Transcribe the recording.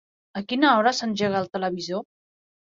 A quina hora s'engega el televisor?